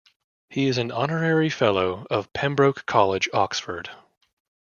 He is an Honorary Fellow of Pembroke College, Oxford.